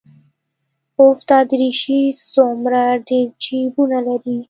اوف دا دريشي څومره ډېر جيبونه لري.